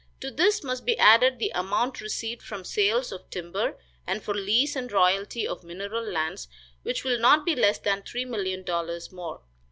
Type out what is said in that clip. To this must be added the amount received from sales of timber, and for lease and royalty of mineral lands, which will not be less than $3,000,000 more.